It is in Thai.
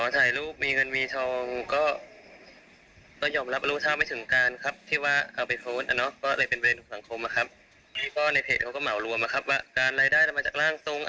อย่างนี้ครับแต่ตัวใจก็อยากไปคอยทรง